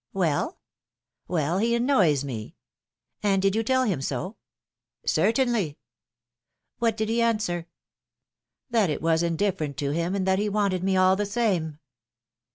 ^^ Well, he annoys me !" And did yon tell him so?^^ Certainly/^ What did he answer?'^ " That it was indifferent to him and that he wanted me all the same